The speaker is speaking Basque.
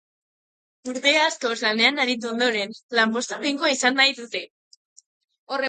Urte askoz lanean aritu ondoren, lanpostu finkoa izan nahi dute.